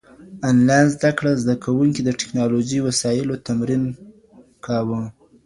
انلاين زده کړه زده کوونکي د ټکنالوژۍ وسايلو تمرين کاوه.